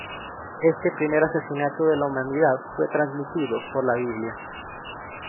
Este primer asesinato de la humanidad fue transmitido por La Biblia.